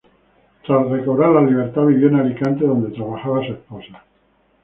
Tras recobrar la libertad vivió en Alicante, donde trabajaba su esposa.